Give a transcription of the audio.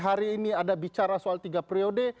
hari ini ada bicara soal tiga periode